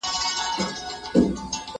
ځان ته زور ورکول اړین نه دي.